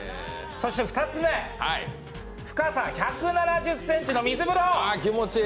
そして２つ目、深さ１７０ｃｍの水風呂。